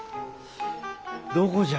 どこじゃ？